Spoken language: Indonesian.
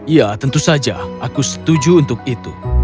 ya tentu saja aku setuju untuk itu